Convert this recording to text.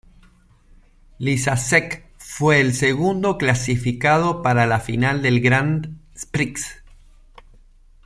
Lysacek fue el segundo clasificado para la final del Grand Prix.